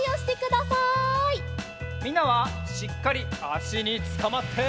みんなはしっかりあしにつかまって！